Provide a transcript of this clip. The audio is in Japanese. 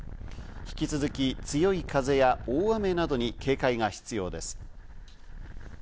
引き続き、強い風や大雨などに警戒が必要です。